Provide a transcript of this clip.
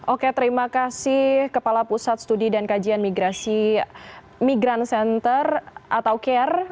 oke terima kasih kepala pusat studi dan kajian migrasi migran center atau care